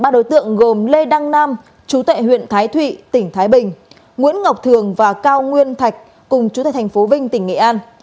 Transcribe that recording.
ba đối tượng gồm lê đăng nam chú tệ huyện thái thụy tỉnh thái bình nguyễn ngọc thường và cao nguyên thạch cùng chú tại tp vinh tỉnh nghệ an